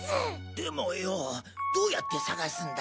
でもよぉどうやって探すんだ？